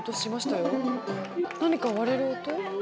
何か割れる音？